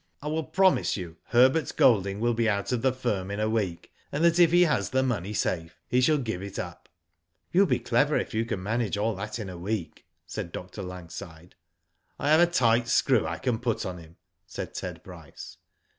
" I will promise you, Herbert Golding will be out of the firm in a week, and that if he has the money safe he shall give it up." *' You will be clever if you can manage all that in a week," said Dr. Langside. *' I have a tight screw I can put on him," said Ted Bryce.